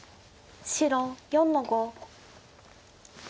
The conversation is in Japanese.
白４の五。